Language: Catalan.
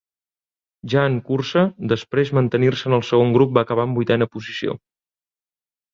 Ja en cursa, després mantenir-se en el segon grup va acabar en vuitena posició.